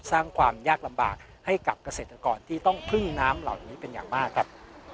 สร้างความยากลำบากให้กับเกษตรกรที่ต้องพึ่งน้ำเหล่านี้เป็นอย่างมากครับ